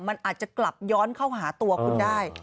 มันอาจจะกลับย้อนเข้าหาตัวคุณได้